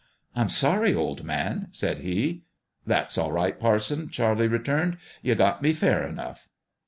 "I'm sorry, old man," said he. " That's all right, parson," Charlie returned; " y u got me fei r enough."